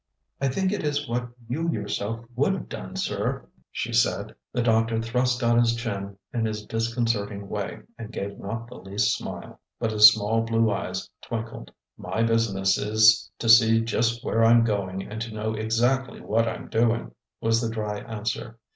"I think it is what you yourself would have done, sir," she said. The doctor thrust out his chin in his disconcerting way, and gave not the least smile; but his small blue eyes twinkled. "My business is to see just where I'm going and to know exactly what I'm doing," was the dry answer.